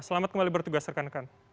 selamat kembali bertugas rekan rekan